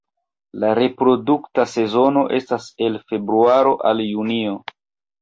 La reprodukta sezono estas el februaro al junio.